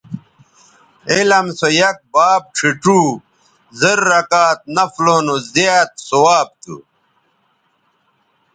علم سویک باب ڇھیڇوزررکعت نفلوں نو زیات ثواب تھو